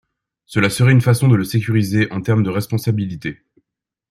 Cela serait une façon de le sécuriser en termes de responsabilité.